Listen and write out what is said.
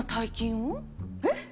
えっ？